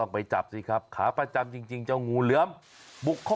โผล่โผล่แล้ว